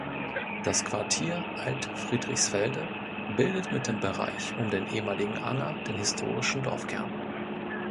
Das Quartier Alt-Friedrichsfelde bildet mit dem Bereich um den ehemaligen Anger den historischen Dorfkern.